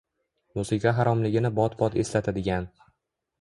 Musiqa haromligini bot-bot eslatadigan.